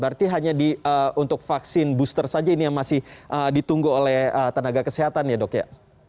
berarti hanya untuk vaksin booster saja ini yang masih ditunggu oleh tenaga kesehatan ya dok ya